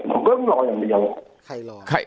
ผมก็ต้องรออย่างเดียว